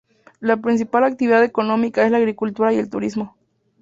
La principal actividad económica es la agricultura y el turismo.